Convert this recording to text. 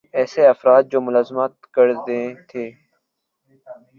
ایسے افراد جو ملازمت کررہے تھے